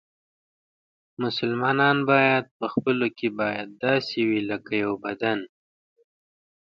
مسلمانان باید په خپلو کې باید داسې وي لکه یو بدن.